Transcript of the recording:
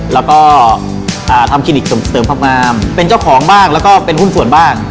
แล้วก็ทำคลินิกเสริมความงามเป็นเจ้าของบ้างแล้วก็เป็นหุ้นส่วนบ้าง